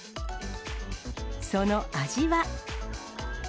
その味は。